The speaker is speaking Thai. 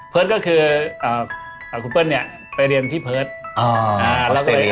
ก็คือคุณเปิ้ลเนี่ยไปเรียนที่เพิร์ต